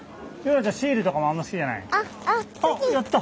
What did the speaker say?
あっやった！